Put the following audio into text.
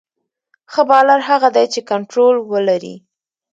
ښه بالر هغه دئ، چي کنټرول ولري.